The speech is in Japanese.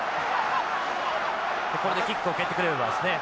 これでキックを蹴ってくれればですね。